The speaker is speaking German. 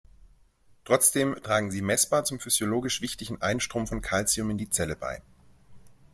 Trotzdem tragen sie messbar zum physiologisch wichtigen Einstrom von Calcium in die Zelle bei.